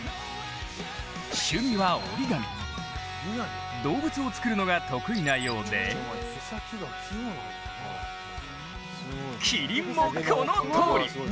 趣味は折り紙、動物を作るのが得意なようできりんも、このとおり。